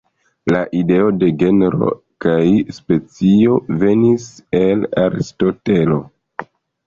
La ideo de genro kaj specio venis el Aristotelo.